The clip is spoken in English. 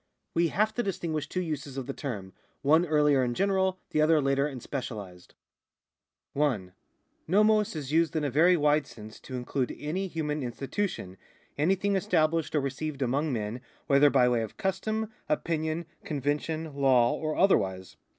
We have to distinguish two uses of the term, one earlier and general, the other later and specialised. 1. No/ioc is used in a very wide sense to include any human institution, anything established or received among men, whether by way of custom, opinion, convention, law or otherwise.